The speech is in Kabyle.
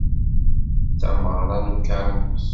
Tameɣra n ukermus.